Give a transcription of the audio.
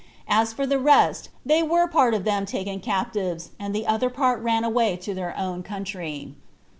As for the rest, they were part of them taken captives, and the other part ran away to their own country.